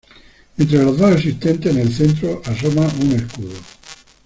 Entre los dos existentes en el centro asoma un escudo.